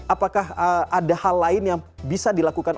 apakah ada hal lain yang bisa dilakukan